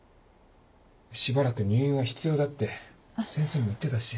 しばらく入院は必要だって先生も言ってたし。